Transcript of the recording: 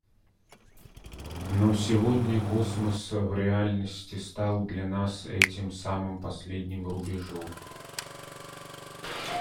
Но сегодня космос в реальности стал для нас этим самым последним рубежом.